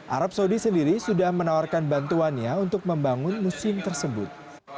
arab saudi sendiri sudah menawarkan bantuannya untuk membangun museum tersebut